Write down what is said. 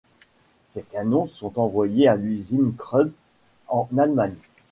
Ces canons sont envoyées à l'usine Krupp en Allemagne.